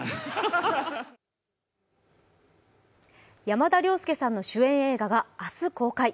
山田涼介さんの主演映画が明日公開。